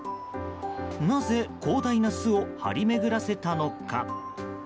なぜ、広大な巣を張り巡らせたのか。